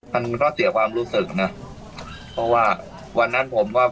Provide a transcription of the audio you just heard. มันก็เสียความรู้สึกนะเพราะว่าวันนั้นผมก็